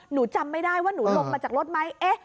หนูจำไม่ได้ว่าหนูลงมาจากรถไหม